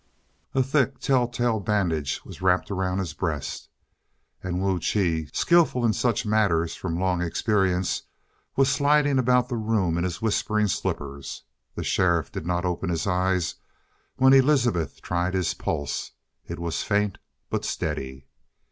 A thick, telltale bandage was wrapped about his breast. And Wu Chi, skillful in such matters from a long experience, was sliding about the room in his whispering slippers. The sheriff did not open his eyes when Elizabeth tried his pulse. It was faint, but steady.